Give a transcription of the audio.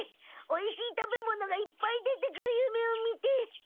おいしい食べ物がいっぱい出てくるゆめを見て。